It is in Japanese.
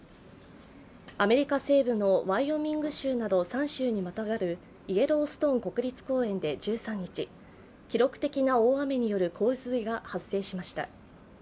アメリカ西部のワイオミング州など３州にまたがるイエローストーン国立公園で１３日、記録的な大雨による洪水が発生しました。